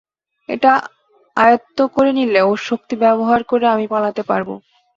ওটা আয়ত্ত করে নিলে ওর শক্তি ব্যবহার করে আমি পালাতে পারবো!